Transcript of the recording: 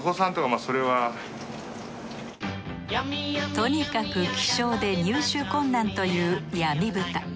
とにかく希少で入手困難という闇豚。